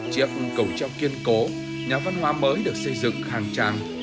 chiếc cầu treo kiên cố nhà văn hóa mới được xây dựng khang trang